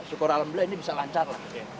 syukur alhamdulillah ini bisa lancar lah